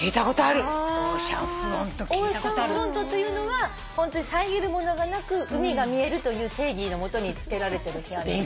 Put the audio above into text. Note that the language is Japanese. オーシャンフロントというのはホントに遮るものがなく海が見えるという定義のもとにつけられてる部屋なので。